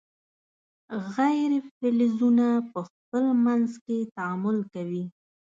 غیر فلزونه په خپل منځ کې تعامل کوي.